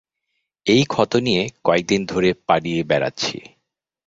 এই ক্ষত নিয়ে কয়েকদিন ধরে পালিয়ে বেড়াচ্ছি।